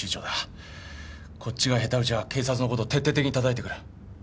こっちが下手打ちゃ警察のこと徹底的にたたいてくる。